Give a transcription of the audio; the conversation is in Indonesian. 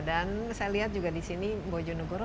dan saya lihat juga di sini bojonegoro